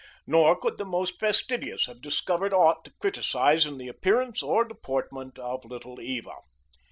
Nor could the most fastidious have discovered aught to criticize in the appearance or deportment of Little Eva.